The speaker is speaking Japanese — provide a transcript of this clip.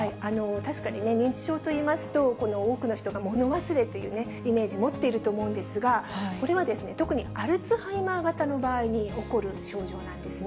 確かにね、認知症といいますと、この多くの人が物忘れというイメージ持っていると思うんですが、これはですね、特にアルツハイマー型の場合に起こる症状なんですね。